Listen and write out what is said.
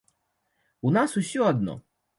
У нас усё адно.